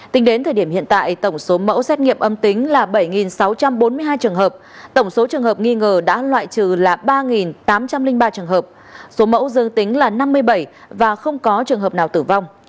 tính đến thời điểm hiện tại tổng số mẫu xét nghiệm âm tính là bảy sáu trăm bốn mươi hai trường hợp tổng số trường hợp nghi ngờ đã loại trừ là ba tám trăm linh ba trường hợp số mẫu dương tính là năm mươi bảy và không có trường hợp nào tử vong